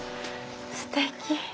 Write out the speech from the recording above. すてき。